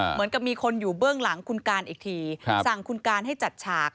เหมือนกับมีคนอยู่เบื้องหลังคุณการอีกทีสั่งคุณการให้จัดฉาก